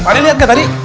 pak de lihat nggak tadi